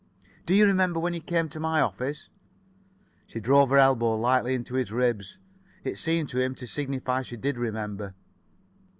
Do you remember when you came to my office?" She drove her elbow lightly into his ribs. It seemed to him to signify she did remember.